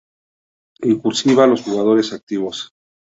En "cursiva" los jugadores activos